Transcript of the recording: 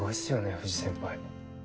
藤先輩。